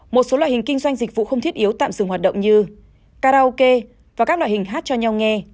một số loại hình kinh doanh dịch vụ không thiết yếu tạm dừng hoạt động như karaoke và các loại hình hát cho nhau nghe